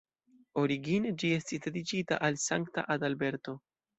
Origine ĝi estis dediĉita al Sankta Adalberto.